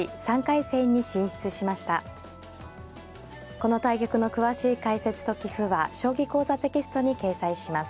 この対局の詳しい解説と棋譜は「将棋講座」テキストに掲載します。